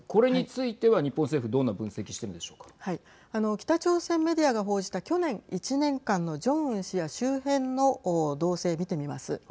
北朝鮮メディアが報じた去年１年間のジョンウン氏や周辺の動静見てみます。